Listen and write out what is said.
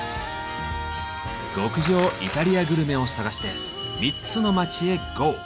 極上イタリアグルメを探して３つの街へＧＯ！